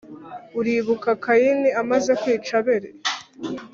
uribuka kayini amaze kwica abeli